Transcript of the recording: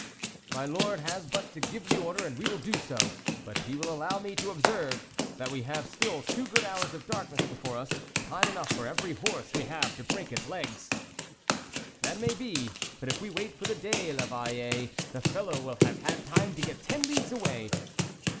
" My lord has but to give the order, and we will do so, but he will allow me to observe that we have stiJJ two good hours THE WOLF LEADER in of darkness before us, time enough for every horse we have to break its legs." " That may be, but if we wait for the day, 1'Eveille, the fellow will have had time to get ten leagues away."